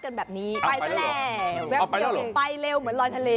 อ้าวไปแล้วเหรออ้าวไปไปเร็วเหมือนลอยทะเล